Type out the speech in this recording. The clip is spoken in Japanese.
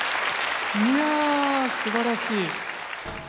いやすばらしい。